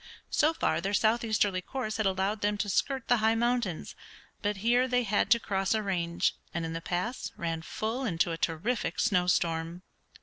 So far their southeasterly course had allowed them to skirt the high mountains, but here they had to cross a range, and in the pass ran full into a terrific snow storm.